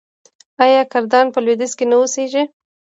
آیا کردان په لویدیځ کې نه اوسیږي؟